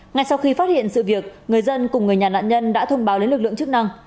ngay sau khi phát hiện sự việc người dân cùng người nhà nạn nhân đã thông báo đến lực lượng chức năng